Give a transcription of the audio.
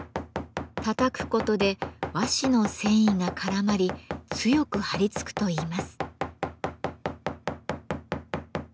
たたくことで和紙の繊維が絡まり強く貼り付くといいます。